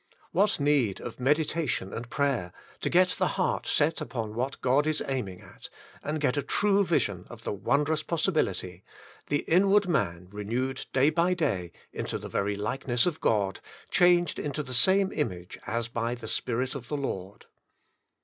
What need of meditation and prayer to get the heart set upon what God is aiming at, and get a true vision of the wondrous possibility: the inward man renewed day by day into the very likeness of God, changed into the same image as by the Spirit of the Lord.